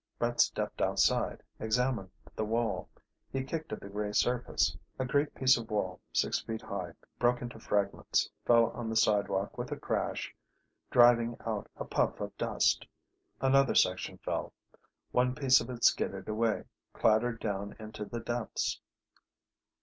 Brett stepped outside, examined the wall. He kicked at the grey surface. A great piece of wall, six feet high, broke into fragments, fell on the sidewalk with a crash, driving out a puff of dust. Another section fell. One piece of it skidded away, clattered down into the depths.